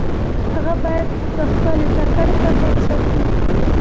هغه باید د خپلې ټاکنې پر بنسټ وي.